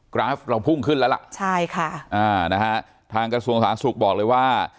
กราฟเราพุ่งขึ้นแล้วล่ะใช่ค่ะอ่านะฮะทางกระทรวงสาธารณสุขบอกเลยว่า